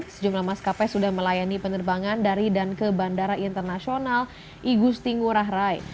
sejumlah maskapai sudah melayani penerbangan dari dan ke bandara internasional igusti ngurah rai